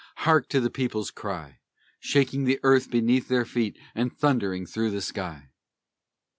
Hark to the people's cry, Shaking the earth beneath their feet, And thundering through the sky.